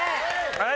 はい！